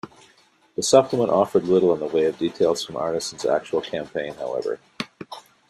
The supplement offered little in the way of details from Arneson's actual campaign, however.